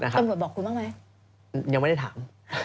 ตำรวจบอกคุณบ้างไหม